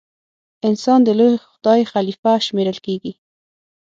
انسان د لوی خدای خلیفه شمېرل کیږي.